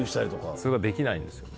それができないんですよね。